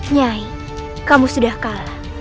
nyai kamu sudah kalah